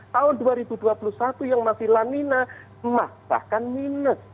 tahun dua ribu dua puluh satu yang masih lamina emas bahkan minus